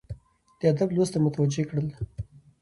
د ادب لوست ته متوجه کړل،